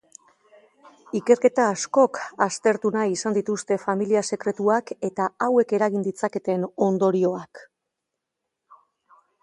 Ikerketa askok aztertu nahi izan dituzte familia sekretuak eta hauek eragin ditzaketen ondorioak.